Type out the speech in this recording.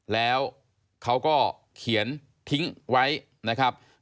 แล้วเขาก็เขียนทิ้งไว้